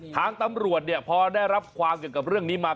ทางตำรวจเนี่ยพอได้รับความเกี่ยวกับเรื่องนี้มา